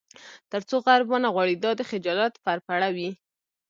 تر څو چې غرب ونه غواړي دا د خجالت پرپړه وي.